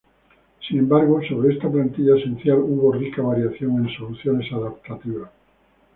Sin embargo, sobre esta plantilla esencial, hubo rica variación en soluciones adaptativas.